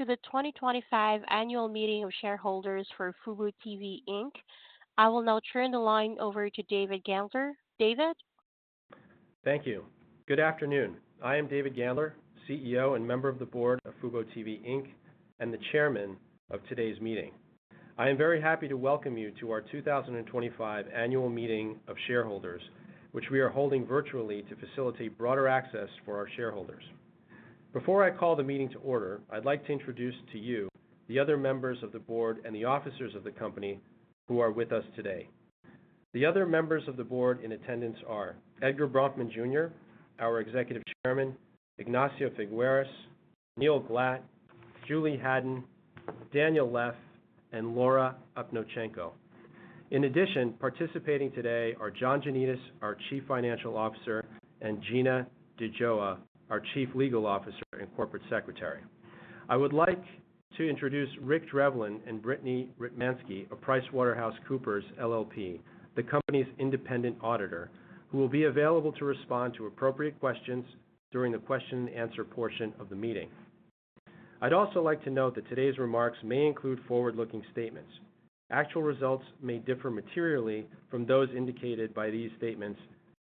To the 2025 Annual Meeting of Shareholders for FuboTV. I will now turn the line over to David Gandler. David? Thank you. Good afternoon. I am David Gandler, CEO and member of the board of FuboTV, and the chairman of today's meeting. I am very happy to welcome you to our 2025 Annual Meeting of Shareholders, which we are holding virtually to facilitate broader access for our shareholders. Before I call the meeting to order, I'd like to introduce to you the other members of the board and the officers of the company who are with us today. The other members of the board in attendance are Edgar Bronfman Jr., our Executive Chairman, Ignacio Figueras, Neil Glatt, Julie Haddon, Daniel Leff, and Laura Onopchenko. In addition, participating today are John Janedis, our Chief Financial Officer, and Gina DiGioia, our Chief Legal Officer and Corporate Secretary. I would like to introduce Rick Danao and Brittany Retmanski of PricewaterhouseCoopers LLP, the company's independent auditor, who will be available to respond to appropriate questions during the question-and-answer portion of the meeting. I'd also like to note that today's remarks may include forward-looking statements. Actual results may differ materially from those indicated by these statements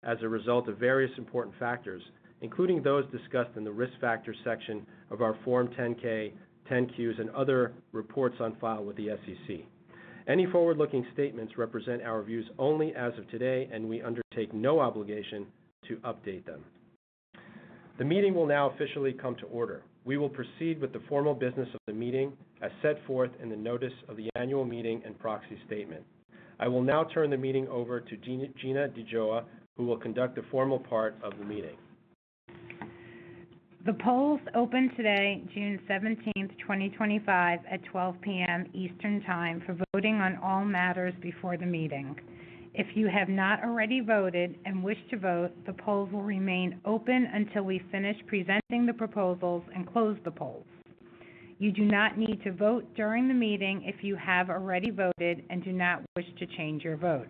as a result of various important factors, including those discussed in the risk factor section of our Form 10-K, 10-Qs, and other reports on file with the SEC. Any forward-looking statements represent our views only as of today, and we undertake no obligation to update them. The meeting will now officially come to order. We will proceed with the formal business of the meeting as set forth in the notice of the Annual Meeting and Proxy Statement. I will now turn the meeting over to Gina DiGioia, who will conduct the formal part of the meeting. The polls open today, June 17, 2025, at 12:00 P.M. Eastern Time for voting on all matters before the meeting. If you have not already voted and wish to vote, the polls will remain open until we finish presenting the proposals and close the polls. You do not need to vote during the meeting if you have already voted and do not wish to change your vote.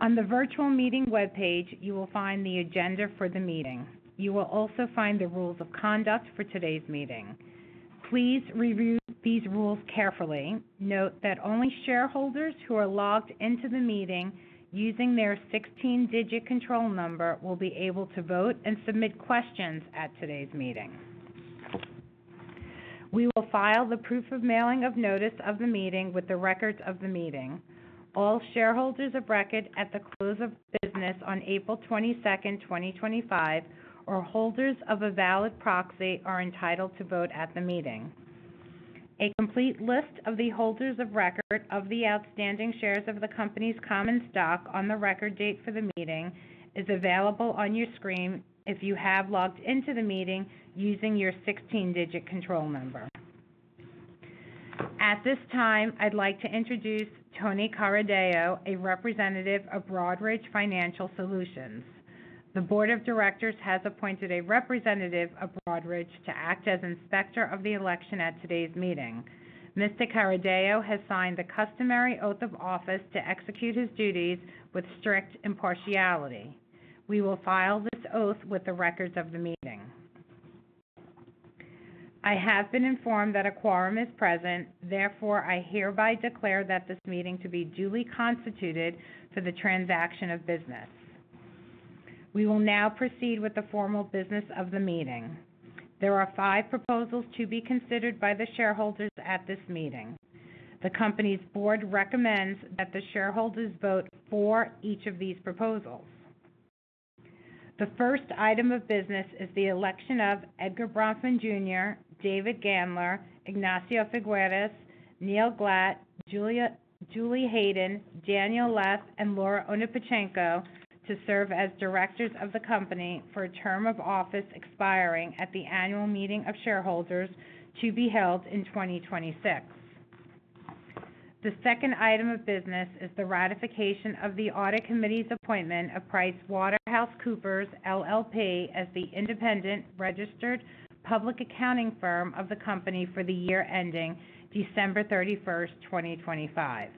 On the virtual meeting webpage, you will find the agenda for the meeting. You will also find the rules of conduct for today's meeting. Please review these rules carefully. Note that only shareholders who are logged into the meeting using their 16-digit control number will be able to vote and submit questions at today's meeting. We will file the proof of mailing of notice of the meeting with the records of the meeting. All shareholders of record at the close of business on April 22, 2025, or holders of a valid proxy are entitled to vote at the meeting. A complete list of the holders of record of the outstanding shares of the company's common stock on the record date for the meeting is available on your screen if you have logged into the meeting using your 16-digit control number. At this time, I'd like to introduce Tony Carradello, a representative of Broadridge Financial Solutions. The board of directors has appointed a representative of Broadridge to act as inspector of the election at today's meeting. Mr. Carradello has signed the customary oath of office to execute his duties with strict impartiality. We will file this oath with the records of the meeting. I have been informed that a quorum is present. Therefore, I hereby declare that this meeting to be duly constituted for the transaction of business. We will now proceed with the formal business of the meeting. There are five proposals to be considered by the shareholders at this meeting. The company's board recommends that the shareholders vote for each of these proposals. The first item of business is the election of Edgar Bronfman Jr., David Gandler, Ignacio Figueras, Neil Glat, Julie Haddon, Daniel Leff, and Laura Upnochenko, to serve as directors of the company for a term of office expiring at the Annual Meeting of Shareholders to be held in 2026. The second item of business is the ratification of the audit committee's appointment of PricewaterhouseCoopers LLP as the independent registered public accounting firm of the company for the year ending December 31, 2025.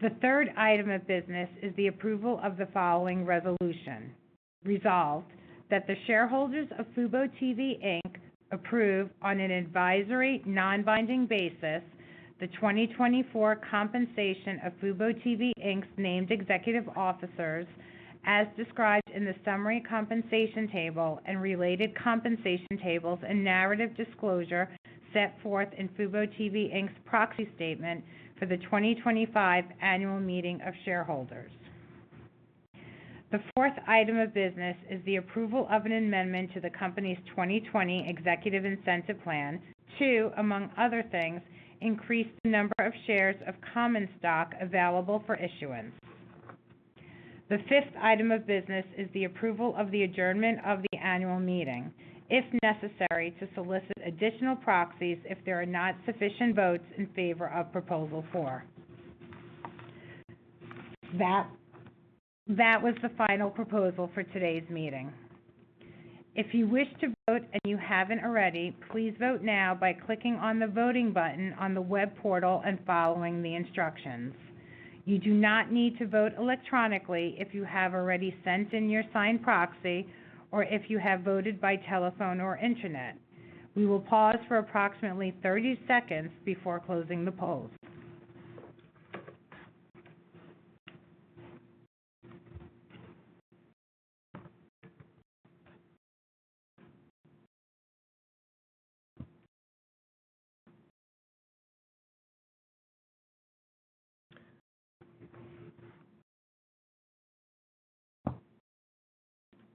The third item of business is the approval of the following resolution: resolved that the shareholders of FuboTV approve on an advisory non-binding basis the 2024 compensation of FuboTV's named executive officers, as described in the summary compensation table and related compensation tables and narrative disclosure set forth in FuboTV's proxy statement for the 2025 Annual Meeting of Shareholders. The fourth item of business is the approval of an amendment to the company's 2020 Executive Incentive Plan to, among other things, increase the number of shares of common stock available for issuance. The fifth item of business is the approval of the adjournment of the Annual Meeting, if necessary, to solicit additional proxies if there are not sufficient votes in favor of proposal four. That was the final proposal for today's meeting. If you wish to vote and you haven't already, please vote now by clicking on the voting button on the web portal and following the instructions. You do not need to vote electronically if you have already sent in your signed proxy or if you have voted by telephone or internet. We will pause for approximately 30 seconds before closing the polls.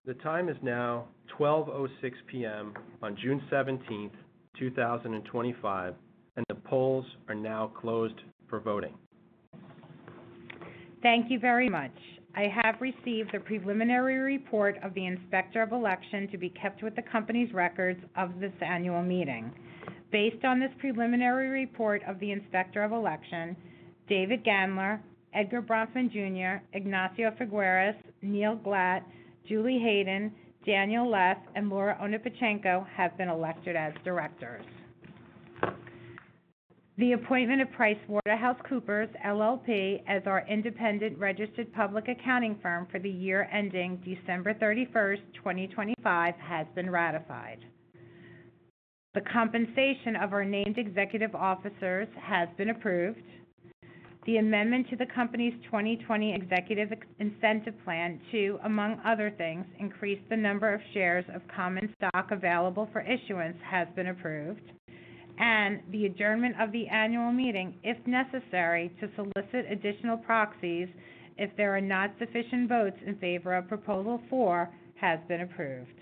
The time is now 12:06 P.M. on June 17, 2025, and the polls are now closed for voting. Thank you very much. I have received the preliminary report of the inspector of election to be kept with the company's records of this Annual Meeting. Based on this preliminary report of the inspector of election, David Gandler, Edgar Bronfman Jr., Ignacio Figueras, Neil Glatt, Julie Haddon, Daniel Leff, and Laura Upnochenko have been elected as directors. The appointment of PricewaterhouseCoopers LLP as our independent registered public accounting firm for the year ending December 31, 2025, has been ratified. The compensation of our named executive officers has been approved. The amendment to the company's 2020 Executive Incentive Plan to, among other things, increase the number of shares of common stock available for issuance has been approved, and the adjournment of the Annual Meeting, if necessary, to solicit additional proxies if there are not sufficient votes in favor of proposal four has been approved.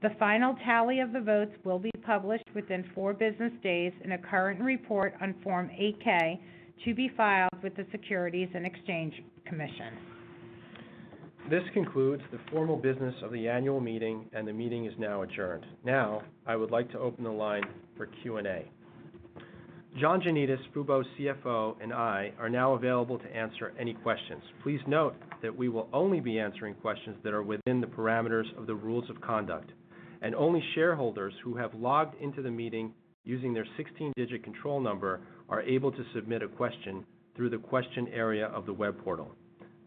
The final tally of the votes will be published within four business days in a current report on Form 8-K to be filed with the SEC. This concludes the formal business of the Annual Meeting, and the meeting is now adjourned. Now, I would like to open the line for Q&A. John Janedis, Fubo CFO, and I are now available to answer any questions. Please note that we will only be answering questions that are within the parameters of the rules of conduct, and only shareholders who have logged into the meeting using their 16-digit control number are able to submit a question through the question area of the web portal.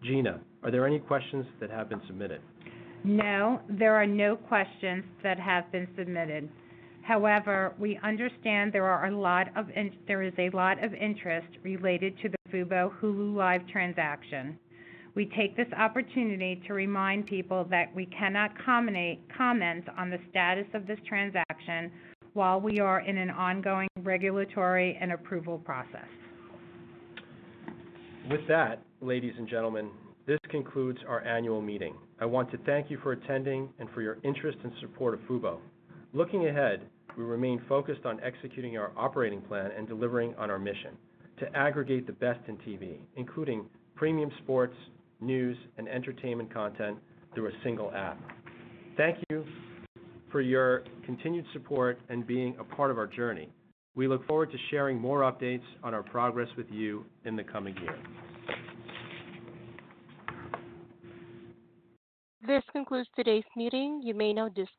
Gina, are there any questions that have been submitted? No, there are no questions that have been submitted. However, we understand there is a lot of interest related to the Fubo Hulu + Live TV transaction. We take this opportunity to remind people that we cannot comment on the status of this transaction while we are in an ongoing regulatory and approval process. With that, ladies and gentlemen, this concludes our Annual Meeting. I want to thank you for attending and for your interest and support of Fubo. Looking ahead, we remain focused on executing our operating plan and delivering on our mission to aggregate the best in TV, including premium sports, news, and entertainment content through a single app. Thank you for your continued support and being a part of our journey. We look forward to sharing more updates on our progress with you in the coming year. This concludes today's meeting. You may now disconnect.